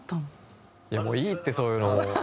いやもういいってそういうの。